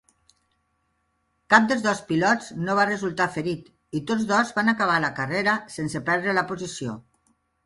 Cap dels dos pilots no va resultar ferit i tots dos van acabar la carrera sense perdre la posició.